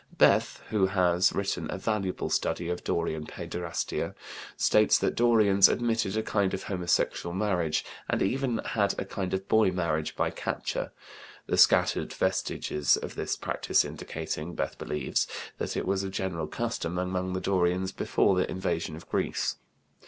Bethe, who has written a valuable study of Dorian paiderastia, states that the Dorians admitted a kind of homosexual marriage, and even had a kind of boy marriage by capture, the scattered vestiges of this practice indicating, Bethe believes, that it was a general custom among the Dorians before the invasion of Greece.